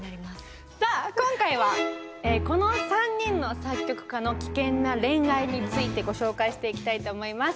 さあ今回はこの３人の作曲家の危険な恋愛についてご紹介していきたいと思います。